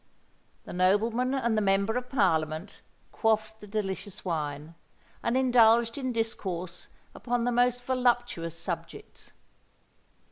The nobleman and the member of Parliament quaffed the delicious wine, and indulged in discourse upon the most voluptuous subjects.